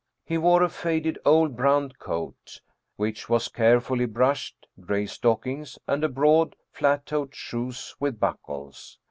He wore a faded old brown coat which was carefully brushed, gray stockings, and broad, flat toed shoes with buckles.